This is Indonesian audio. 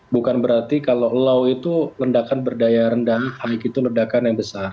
bukan berarti kalau low itu lendakan berdaya rendang high itu lendakan yang besar